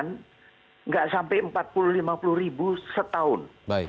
tidak sampai empat puluh lima puluh ribu setahun